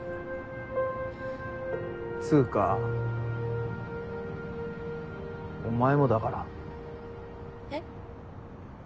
つうかお前もだから。えっ？